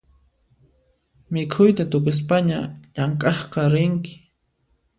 Mikhuyta tukuspaña llamk'aqqa rinki